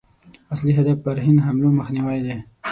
اصلي هدف پر هند حملو مخنیوی دی.